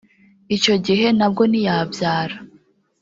Icyo gihe nabwo ntiyabyara